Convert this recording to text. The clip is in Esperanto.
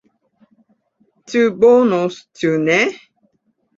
Ĉu bonos, ĉu ne.